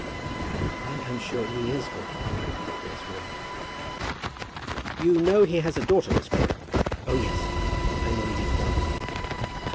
"I am sure he is good," said Grace, warmly. "You know he has a daughter, Miss Crawley?" "Oh, yes; I know Edith well."